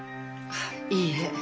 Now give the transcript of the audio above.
いいえ。